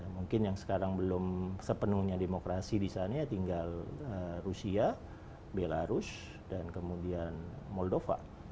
mungkin yang sekarang belum sepenuhnya demokrasi di sana ya tinggal rusia belarus dan kemudian moldova